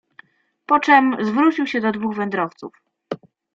"Poczem zwrócił się do dwóch wędrowców."